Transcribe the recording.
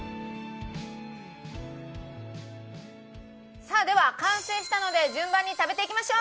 さあでは完成したので順番に食べていきましょう！